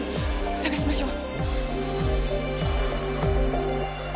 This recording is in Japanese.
捜しましょう。